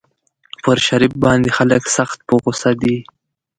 پر شریف باندې خلک سخت په غوسه دي.